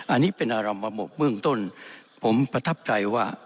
อันนี้เป็นอารมระบบเบื้องต้นผมประทับใจว่า